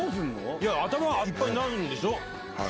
頭いっぱいになるんでしょ？